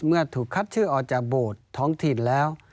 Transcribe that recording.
เมื่อถูกคัดชื่อออกจากโบสถ์ท้องถิ่นแล้ว